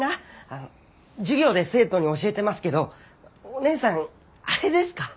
あの授業で生徒に教えてますけどお姉さんあれですか？